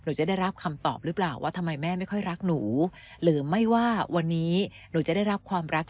ว่าทำไมแม่ไม่ค่อยรักหนูหรือไม่ว่าวันนี้หนูจะได้รับความรัก